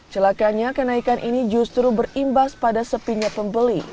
celakanya kenaikan ini justru berimbas pada sepinya pembeli